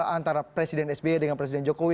antara presiden sby dengan presiden jokowi